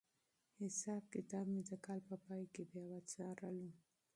حساب کتاب مې د کال په پای کې بیا وڅارلو.